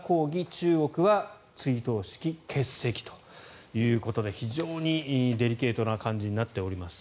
中国は追悼式、欠席ということで非常にデリケートな感じになっております。